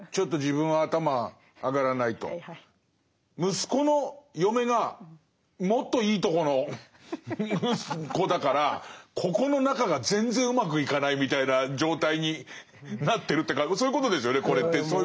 息子の嫁がもっといいとこの子だからここの仲が全然うまくいかないみたいな状態になってるっていうかそういうことですよねこれって。